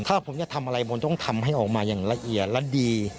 ถ้าผมจะทำอะไรผมต้องทำให้ออกมาอย่างละเอียดและดี